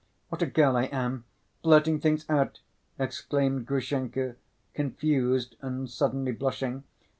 What a girl I am! Blurting things out!" exclaimed Grushenka, confused and suddenly blushing.